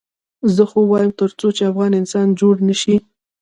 خو زه وایم تر څو چې افغان انسان جوړ نه شي.